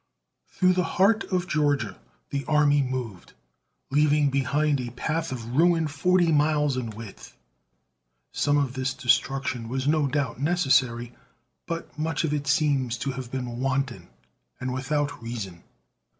Through the heart of Georgia the army moved, leaving behind a path of ruin forty miles in width. Some of this destruction was no doubt necessary, but much of it seems to have been wanton and without reason.